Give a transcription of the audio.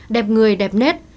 đẹp người đẹp nết